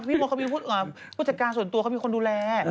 พี่มศเขาบอกมุจจัดการส่วนตัวเขาเป็นคนดูแล